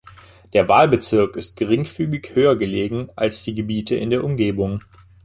Der Wahlbezirk ist geringfügig höher gelegen als die Gebiete in der Umgebung.